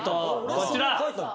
こちら。